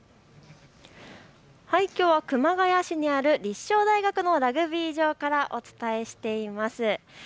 きょうは熊谷市にある立正大学のラグビー場からお伝えしています。